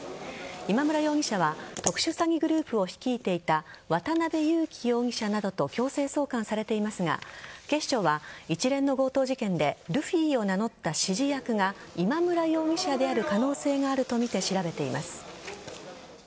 今村容疑者は特殊詐欺グループを率いていた渡辺優樹容疑者などと強制送還されていますが警視庁は一連の強盗事件でルフィを名乗った指示役が今村容疑者である可能性があるとみて調べています。